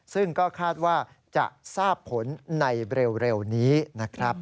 ซึ่งก็คาดว่าจะทราบผลในเร็วนี้นะครับ